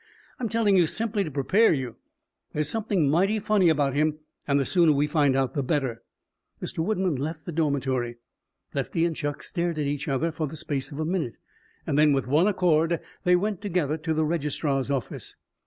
I'm telling you simply to prepare you. There's something mighty funny about him, and the sooner we find out, the better." Mr. Woodman left the dormitory. Lefty and Chuck stared at each other for the space of a minute, and then, with one accord, they went together to the registrar's office.